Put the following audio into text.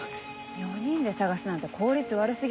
４人で捜すなんて効率悪過ぎ。